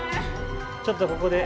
ちょっとここで。